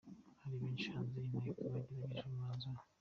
Bari benshi hanze y'Inteko bategereje umwanzuro.